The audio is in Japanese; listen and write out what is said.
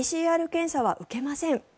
ＰＣＲ検査は受けません。